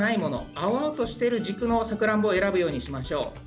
青々としている軸のものを選ぶようにしましょう。